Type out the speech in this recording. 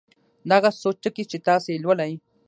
دغه څو ټکي چې تاسې یې لولئ.